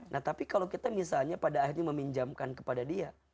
nah tapi kalau kita misalnya pada akhirnya meminjamkan kepada dia